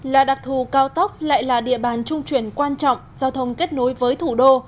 là đặc thù cao tốc lại là địa bàn trung chuyển quan trọng giao thông kết nối với thủ đô